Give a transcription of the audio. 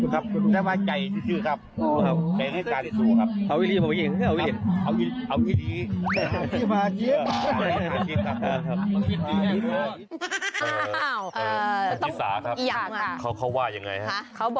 เขาว่าอย่างไรครับ